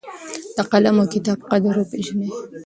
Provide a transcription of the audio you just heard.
د قلم او کتاب قدر وپېژنئ.